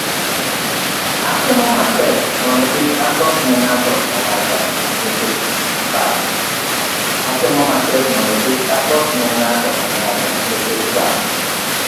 atemo matek mondo kik akos ne ng'ato ang'ata nikech saa,